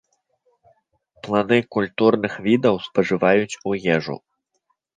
Плады культурных відаў спажываюць у ежу.